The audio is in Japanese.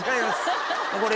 これ。